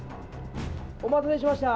お待たせしました。